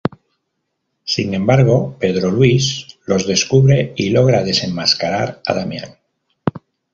Sin embargo, Pedro Luis los descubre y logra desenmascarar a Damián.